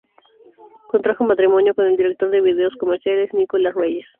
Contrajo matrimonio con el director de videos comerciales Nicolás Reyes.